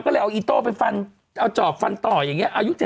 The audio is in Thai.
ก็เลยเอาอีโต้ไปฟันเอาจอบฟันต่ออย่างนี้อายุ๗๐